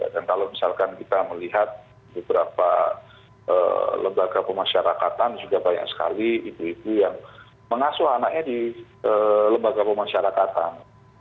dan kalau misalkan kita melihat beberapa lembaga pemasyarakatan juga banyak sekali ibu ibu yang mengasuh anaknya di lembaga pemasyarakatan